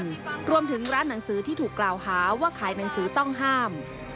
รวมถึงร้านหนังสือที่ถูกกล่าวหาว่าขายหนังสือต้องห้าม